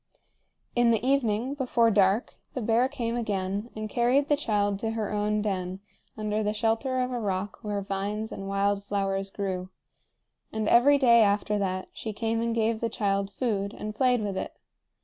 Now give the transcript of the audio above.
In the evening, before dark, the bear came again and carried the child to her own den under the shelter of a rock where vines and wild flowers grew; and every day after that she came and gave the child food and played with it.